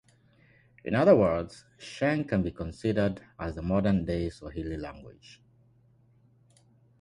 In other words, Sheng can be considered as the modern day Swahili Language.